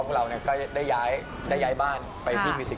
กลัวว่ามันจะเป็นไปไม่ได้